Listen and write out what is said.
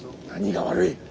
何が悪い。